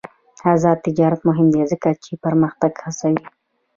آزاد تجارت مهم دی ځکه چې پرمختګ هڅوي.